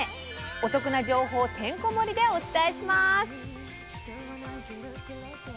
お得な情報てんこ盛りでお伝えします！